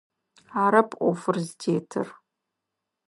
Арэп ӏофыр зытетыр.